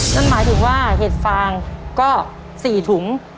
นั่นหมายถึงว่าเห็ดฟางก็๔ถุง